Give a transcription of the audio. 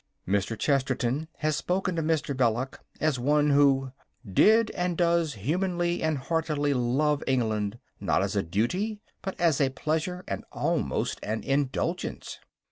Mr. Chesterton has spoken of Mr. Belloc as one who "did and does humanly and heartily love England, not as a duty but as a pleasure, and almost an indulgence."